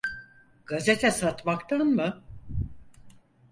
Gazete satmaktan mı?